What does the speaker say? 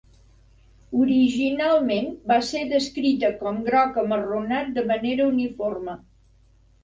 Originalment va ser descrita com groc amarronat de manera uniforme.